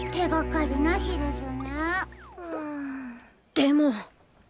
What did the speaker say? でも！